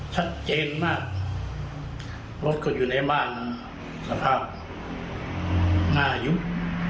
ชัดเจนมากรถเขาอยู่ในบ้านสภาพง่ายุ่ม